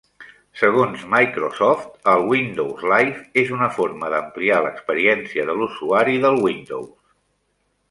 Segons Microsoft, el Windows Live "és una forma d'ampliar l'experiència de l'usuari del Windows".